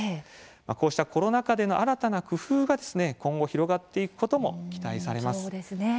こうしたコロナ禍での新たな工夫が今後広がっていくことも期待されます。